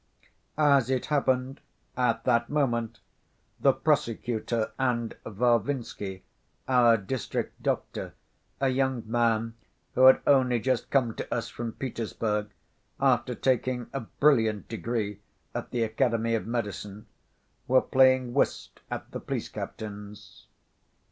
As it happened, at that moment the prosecutor, and Varvinsky, our district doctor, a young man, who had only just come to us from Petersburg after taking a brilliant degree at the Academy of Medicine, were playing whist at the police captain's.